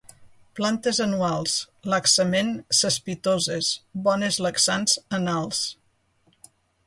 Plantes anuals, laxament cespitoses, bones laxants anals.